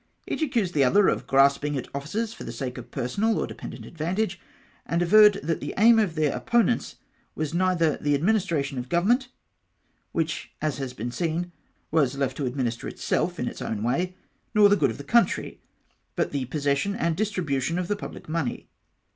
Each accused the other of grasping at offices for the sake of personal or dependent advantage, and averred that the aim of their opponents was neither the administration of govern ment — which, as has been seen, was left to administer itself in its own way — nor the good of the country, but the possession and distribution of the pubhc money.